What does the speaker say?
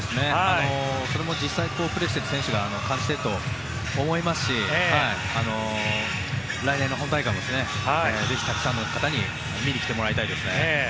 それも実際プレーしている選手が感じていると思いますし来年の本大会もぜひたくさんの方に見に来てもらいたいですね。